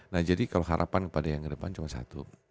nah jadi kalau harapan kepada yang ke depan cuma satu